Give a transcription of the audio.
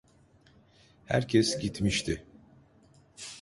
Herkes gitmişti.